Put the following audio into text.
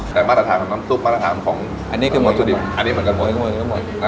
แต่มาตรฐานของน้ำซุปมาตรฐานของมัวสุดิบอันนี้เหมือนกันหมด